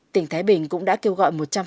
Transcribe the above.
tỉnh thái bình cũng đã kêu gọi